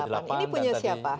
ini punya siapa